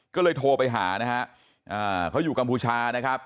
ก็เลยโทรไปหานะฮะเขาอยู่กัมพูชานะครับ